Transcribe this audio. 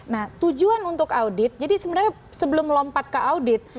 nah tujuan untuk audit jadi sebenarnya sebelum lompat ke audit